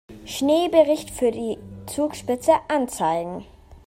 Schneebericht für die Zugspitze anzeigen.